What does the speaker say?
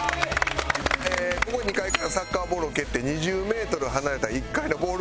ここ２階からサッカーボールを蹴って２０メートル離れた１階のボールカゴに入れてください。